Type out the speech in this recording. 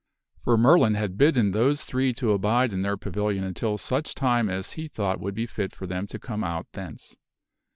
For Merlin had bidden those three to abide in their pavilion until such time as he thought would be fit for them to come out thence.